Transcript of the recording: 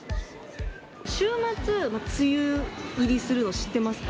週末、梅雨入りするの知ってますか？